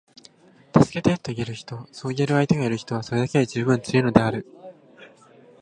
「助けて」と言える人，そう言える相手がいる人は，それだけで十分強いのである．